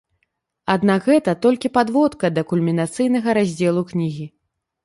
Аднак гэта толькі падводка да кульмінацыйнага раздзелу кнігі.